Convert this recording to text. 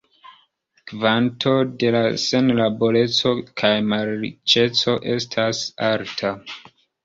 Kvanto de la senlaboreco kaj malriĉeco estas alta.